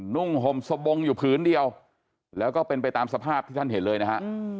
นุ่งห่มสบงอยู่ผืนเดียวแล้วก็เป็นไปตามสภาพที่ท่านเห็นเลยนะฮะ